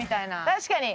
確かに。